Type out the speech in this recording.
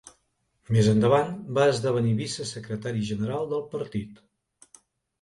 Més endavant va esdevenir vicesecretari general del partit.